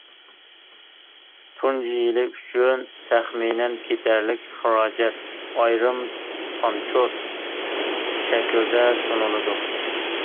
تۇنجى يىلى ئۈچۈن تەخمىنەن كېتەرلىك خىراجەت: ئايرىم خامچوت شەكلىدە سۇنۇلىدۇ .